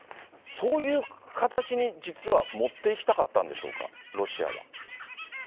そういう形に実は持っていきたかったんでしょうか、ロシアは。